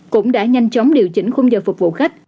cũng đã nhanh chóng điều chỉnh khung giờ phục vụ khách